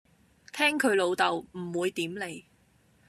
聽佢老竇，唔會點你